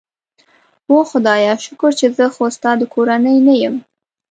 اوه خدایه، شکر چې زه خو ستا د کورنۍ نه یم.